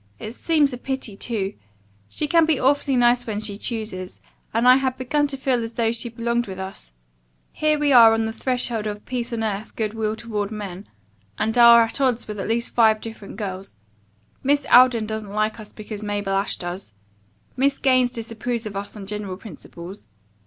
It seems a pity, too. She can be awfully nice when she chooses, and I had begun to feel as though she belonged with us. Here we are on the threshold of 'Peace on Earth, Good Will Toward Men,' and are at odds with at least five different girls. Miss Alden doesn't like us because Mabel Ashe does. Miss Gaines disapproves of us on general principles.